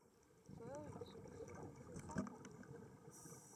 所有语句必须来自相同出处